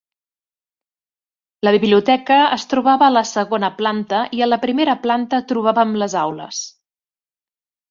La biblioteca es trobava a la segona planta i a la primera planta trobàvem les aules.